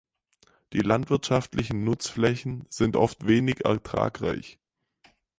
Die landwirtschaftlichen Nutzflächen sind oft wenig ertragreich.